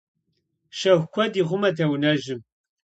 Щэху куэд ихъумэт а унэжьым.